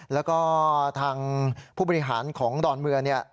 และก็ทางผู้บริหารของดอนเมือง